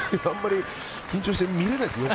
緊張して見れないです。